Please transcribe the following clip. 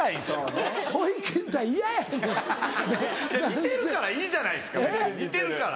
似てるからいいじゃないですか似てるから。